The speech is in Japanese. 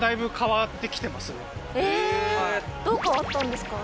えどう変わったんですか？